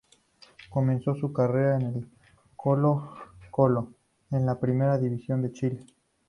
Comenzó su carrera en el Colo-Colo de la Primera División de Chile.